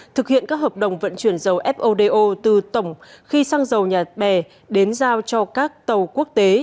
thực hiện các hợp đồng vận chuyển dầu fodo từ tổng khi sang dầu nhà bè đến giao cho các tàu quốc tế